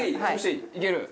いける？